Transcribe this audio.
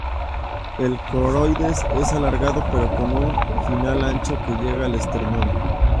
El coracoides es alargado pero con un final ancho que llega al esternón.